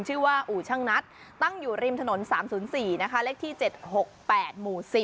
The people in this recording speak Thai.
ชื่อว่าอู่ช่างนัดตั้งอยู่ริมถนน๓๐๔นะคะเลขที่๗๖๘หมู่๔